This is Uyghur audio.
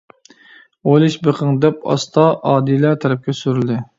ئويلىشىپ بېقىڭ-دەپ ئاستا ئادىلە تەرەپكە سۈرۈلدى.